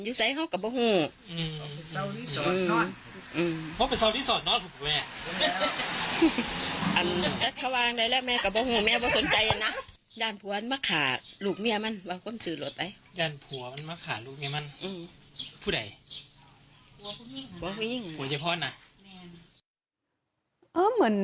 อืมผู้ใดหัวผู้หญิงหัวผู้หญิงหัวเจ้าพ่อหน่ะแม่เออเหมือน